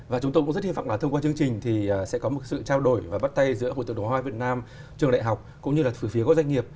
và chúng tôi cũng rất hi vọng là thông qua chương trình thì sẽ có một sự trao đổi và bắt tay giữa hội tự động hóa việt nam trường đại học cũng như là phía doanh nghiệp